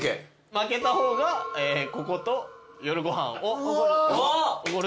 負けた方がここと夜ご飯をおごると。